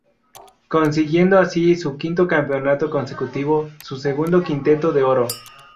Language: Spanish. Consiguiendo así su quinto campeonato consecutivo, su segundo quinquenio de oro.